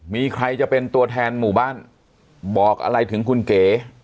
มีใครจะเป็นตัวแทนหมู่บ้านบอกอะไรถึงคุณเก๋